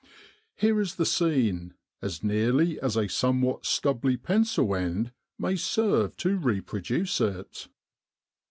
Here is the scene, as nearly as a somewhat stubbly pencil end may serve to reproduce it.